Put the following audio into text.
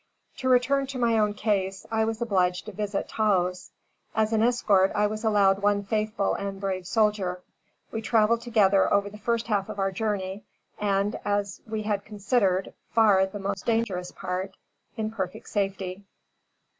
To return to my own case I was obliged to visit Taos. As an escort, I was allowed one faithful and brave soldier. We traveled together over the first half of our journey, and as we had considered, far the most dangerous part, in perfect safety.